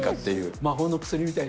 魔法の薬みたいな。